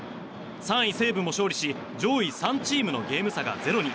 ３位西武も勝利し上位３チームのゲーム差がゼロに。